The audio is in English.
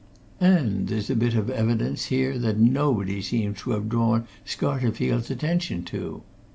And there's a bit of evidence here that nobody seems to have drawn Scarterfield's attention to.